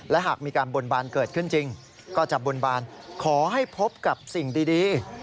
และหากมีการบนบานเกิดขึ้นจริงก็จะบนบานขอให้พบกับสิ่งดี